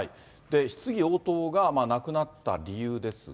質疑応答がなくなった理由ですが。